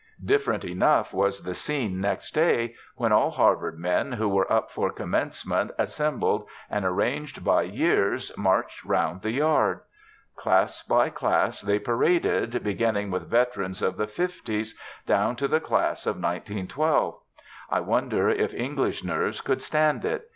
Different enough was the scene next day, when all Harvard men who were up for Commencement assembled and, arranged by years, marched round the yard. Class by class they paraded, beginning with veterans of the 'fifties, down to the class of 1912. I wonder if English nerves could stand it.